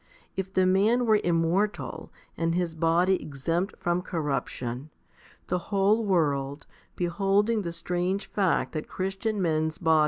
If the man were immortal, and his body exempt from corruption, the whole world, beholding the strange fact that Christian men's bodies 1 Heb.